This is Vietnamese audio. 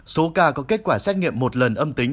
số ca có kết quả xét nghiệm một lần âm tính